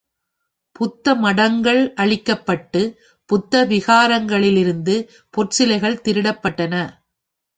புத்த மடங்கள் அழிக்கப்பட்டுப் புத்த விகாரங்களிலிருந்த பொற்சிலைகள் திருடப்பட்டன.